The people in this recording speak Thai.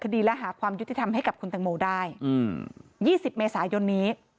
คดีและหาความยุติธรรมให้กับคุณตังโมได้๒๐เมษายนนี้